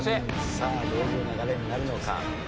さあどういう流れになるのか？